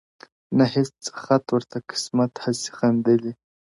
• نه هیڅ خت ورته قسمت هسي خندلي ,